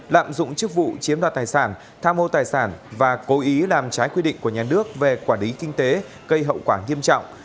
lạm dụng chức vụ chiếm đoạt tài sản tham mô tài sản và cố ý làm trái quy định của nhà nước về quản lý kinh tế gây hậu quả nghiêm trọng